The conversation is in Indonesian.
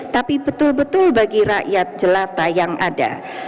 tapi betul betul bagi rakyat jelata yang ada